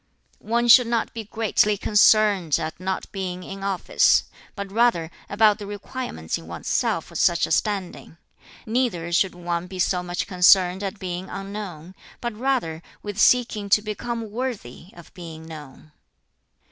"One should not be greatly concerned at not being in office; but rather about the requirements in one's self for such a standing. Neither should one be so much concerned at being unknown; but rather with seeking to become worthy of being known."